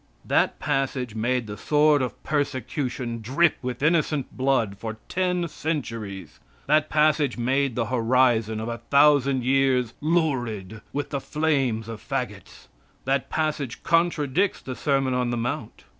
That passage made the sword of persecution drip with innocent blood for ten centuries. That passage made the horizon of a thousand years lurid with the flames of fagots. That passage contradicts the sermon on the mount.